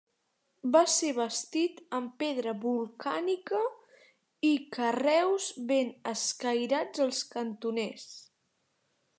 Va ser bastit amb pedra volcànica i carreus ben escairats als cantoners.